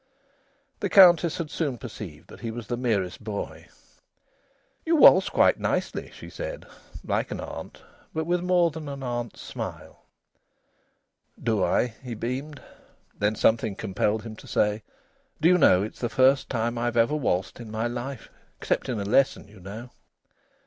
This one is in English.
The Countess had soon perceived that he was the merest boy. "You waltz quite nicely!" she said, like an aunt, but with more than an aunt's smile. "Do I?" he beamed. Then something compelled him to say: "Do you know, it's the first time I've ever waltzed in my life, except in a lesson, you know?"